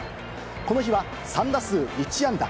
この日は３打数１安打。